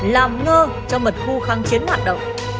làm ngơ cho mật khu kháng chiến hoạt động